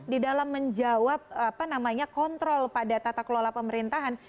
di dalam menjawab kontrol pada tata kelola pemerintahan